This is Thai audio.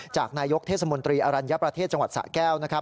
จากนายกเทศมนตรีอรัญญประเทศจังหวัดสะแก้วนะครับ